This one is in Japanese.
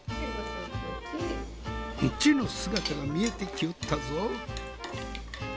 「ンチ」の姿が見えてきよったぞ。